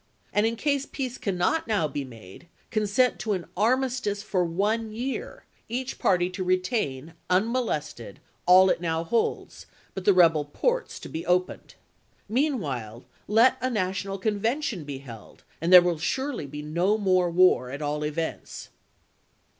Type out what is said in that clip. And in case peace cannot now be made, consent to an armistice for one year, each party to retain, unmolested, all it now holds, but the rebel ports Greeley to be opened. Meantime, let a national convention be xms^^wm! held, and there will surely be no more war at all events. ms.